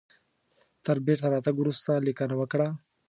تر بیرته راتګ وروسته لیکنه وکړه.